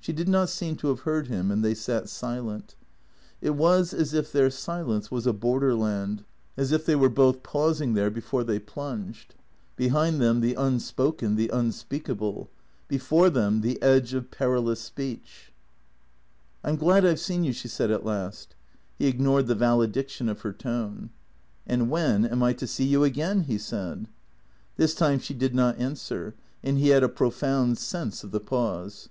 She did not seem to have heard him, and they sat silent. It was as if their silence was a borderland; as if they were both pausing there before they plunged ; behind them the un spoken, the unspeakable ; before them the edge of perilous speech. " I 'm glad I 've seen you," she said at last. He ignored the valediction of her tone. " And when am I to see you again ?" he said. This time she did not answer, and he had a profound sense of the pause.